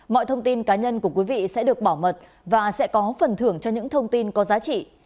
mọi thông tin cá nhân của quý vị sẽ được bảo mật và sẽ có phần thưởng cho những thông tin có giá trị